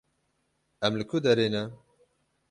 Em li ku derê ne?